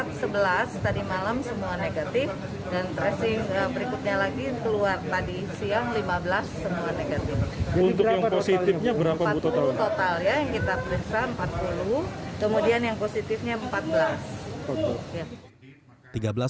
empat puluh total ya yang kita periksa empat puluh kemudian yang positifnya empat belas